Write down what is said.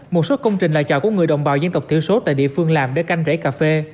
một số công trình là chợ của người đồng bào dân tộc thiểu số tại địa phương làm để canh rễ cà phê